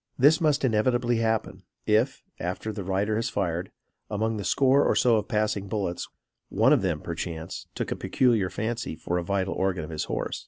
This must inevitably happen if, after the rider has fired, among the score or so of passing bullets, one of them, perchance, took a peculiar fancy for a vital organ of his horse.